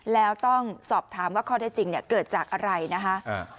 แล้วต้องสอบถามว่าข้อได้จริงเกิดจากอะไรนะคะ